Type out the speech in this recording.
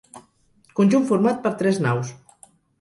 Conjunt format per tres naus.